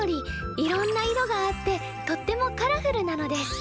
いろんな色があってとってもカラフルなのです。